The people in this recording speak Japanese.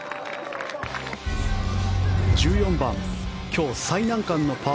１４番、今日最難関のパー